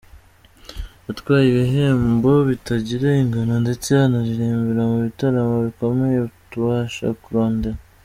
Yatwaye ibihembo bitagira ingano ndetse aririmbira mu bitaramo bikomeye utabasha kurondora.